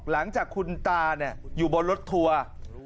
หลังจากคุณตาอยู่บนรถทัวร์